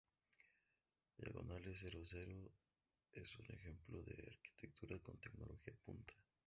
Diagonal Zero Zero es un ejemplo de arquitectura con tecnología punta.